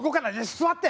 座って！